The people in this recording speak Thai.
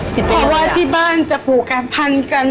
เพราะว่าที่บ้านจะปลูกการพันกัน